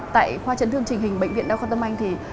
tại khoa chấn thương trình hình bệnh viện đao khoa tâm anh thì